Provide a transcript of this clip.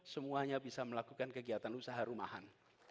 semuanya bisa melakukan kegiatan usaha rumahan